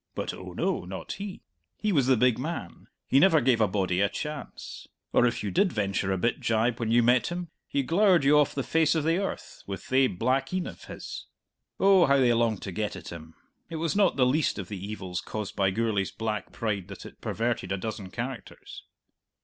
But, oh no, not he; he was the big man; he never gave a body a chance! Or if you did venture a bit jibe when you met him, he glowered you off the face of the earth with thae black een of his. Oh, how they longed to get at him! It was not the least of the evils caused by Gourlay's black pride that it perverted a dozen characters.